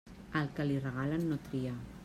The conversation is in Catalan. Al que li regalen, no tria.